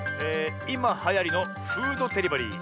いまはやりのフードデリバリー。